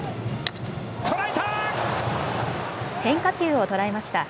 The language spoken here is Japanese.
変化球を捉えました。